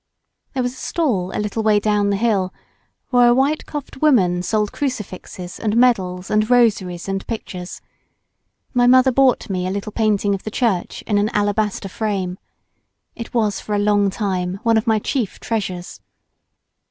There was a stall a little way clown the hill where a white coifed woman sold crucifixes and medals and rosaries and pictures. My mother bought me a little painting of the church in an alabaster frame. It was for a long time one of my chief treasures.